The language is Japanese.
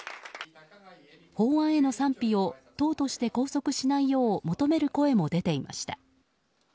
法案への賛否を党として拘束しないよう求める声も出ていました。